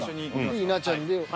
で稲ちゃんで。